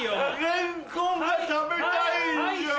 レンコンが食べたいんじゃ。